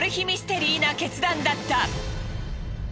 ミステリーな決断だった。